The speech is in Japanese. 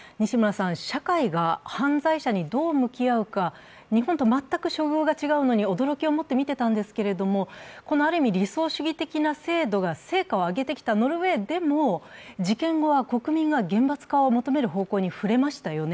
社会が犯罪者にどう向き合うか日本と全く処遇が違うのに驚きを持って見ていたんですがこのある意味理想主義的な制度が成果を上げてきたノルウェーでも事件後は国民が厳罰化を求める方向に振れましたよね。